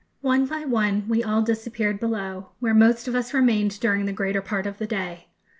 One by one we all disappeared below, where most of us remained during the greater part of the day.